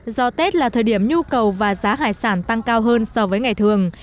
do tết là thời điểm nhu cầu và giá hải sản tăng cao hơn so với ngày thường